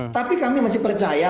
tapi kami masih percaya